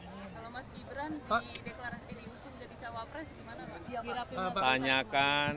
kalau mas ibran diusung jadi cawapres gimana pak